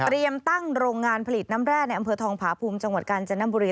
ตั้งโรงงานผลิตน้ำแร่ในอำเภอทองผาภูมิจังหวัดกาญจนบุรี